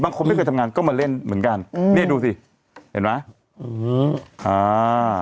บางคนไม่เคยทำงานก็มาเล่นเหมือนกันอืมนี่ดูสิเห็นไหมอืมอ่า